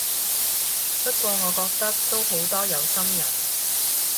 不過我覺得都好多有心人